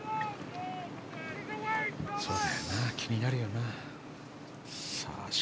そうだよな気になるよな。